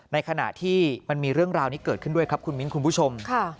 ในขณะที่มันมีเรื่องราวนี้เกิดขึ้นด้วยครับคุณมิ้นคุณผู้ชม